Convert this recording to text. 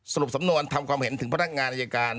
สรุปสำนวนทำความเห็นถึงพนักงานอายการ